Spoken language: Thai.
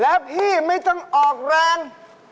แล้วพี่ไม่ต้องออกแรง